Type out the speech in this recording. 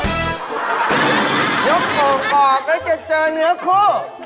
หยกห่วงก่อกไปจะเจอเหนือคู่